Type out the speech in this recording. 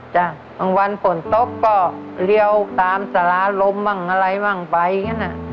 จ้ะบางวันผลตกก็เลี่ยวตามสระลมบางอะไรบางไปอย่างเงี้ยนะ